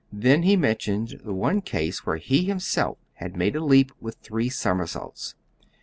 Then he mentioned the one case where he himself had made a leap with three somersaults.